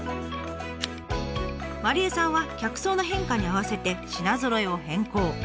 麻梨絵さんは客層の変化に合わせて品ぞろえを変更。